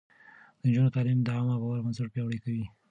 د نجونو تعليم د عامه باور بنسټ پياوړی کوي.